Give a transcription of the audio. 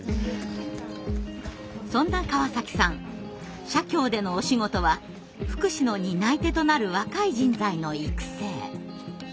そんな川崎さん社協でのお仕事は福祉の担い手となる若い人材の育成。